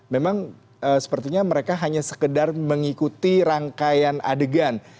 memang sepertinya mereka hanya sekedar mengikuti rangkaian adegan